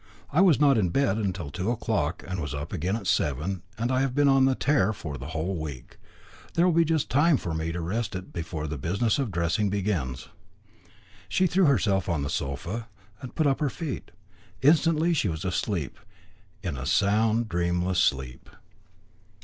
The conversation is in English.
I was not in bed till two o'clock and was up again at seven, and I have been on the tear for the whole week. There will be just time for me to rest it before the business of the dressing begins." She threw herself on the sofa and put up her feet. Instantly she was asleep in a sound, dreamless sleep.